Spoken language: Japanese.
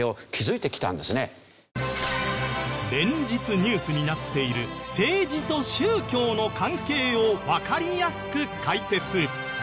連日ニュースになっている政治と宗教の関係をわかりやすく解説。